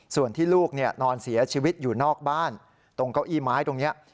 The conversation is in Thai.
ส่วนที่ลูกนอนเสียชีวิตอยู่นอกบ้านตรงเก้าอี้ไม้ตรงนี้